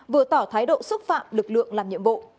vừa tỏ thái độ xúc phạm lực lượng làm nhiệm vụ